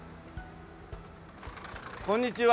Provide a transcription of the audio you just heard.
こんにちは。